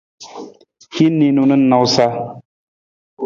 Hin niinu na nawusa.